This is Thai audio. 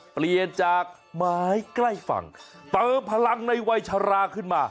เปลี่ยนจากไม้ใกล้ฝั่งเติมพลังในวัยชราขึ้นมา